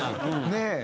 ねえ。